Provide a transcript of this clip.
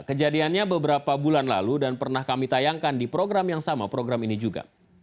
kejadiannya beberapa bulan lalu dan pernah kami tayangkan di program yang sama program ini juga